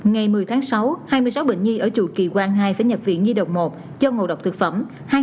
ngày một mươi tháng sáu hai mươi sáu bệnh nhi ở chủ kỳ quan hai phải nhập viện nhi độc một cho ngộ độc thực phẩm hai